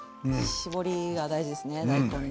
絞りが大事ですね大根の。